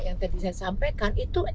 yang tadi saya sampaikan itu